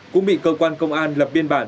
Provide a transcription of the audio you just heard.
cũng bị cơ quan công an lập biên bản